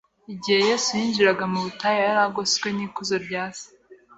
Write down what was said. Igihe Yesu yinjiraga mu butayu, yari agoswe n’ikuzo rya Se.